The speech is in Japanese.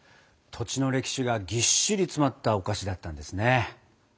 土地の歴史がぎっしり詰まったお菓子だったんですね。